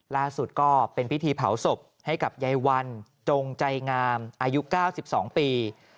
ล่าสุดก็เป็นพิธีเผาศพให้กับยายวันจงใจงามอายุ๙๒ปี